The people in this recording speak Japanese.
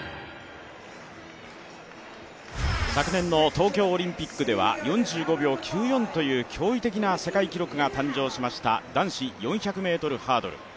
昨年の東京オリンピックでは４５秒９４という驚異的な世界記録が誕生しました男子４００ｍハードル。